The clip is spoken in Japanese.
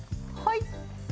はい。